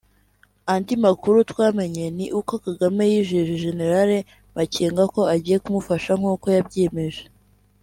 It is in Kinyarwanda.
Andi makuru twamenye ni uko Kagame yijeje General Makenga ko agiye kumufasha nk’uko yabyiyemeje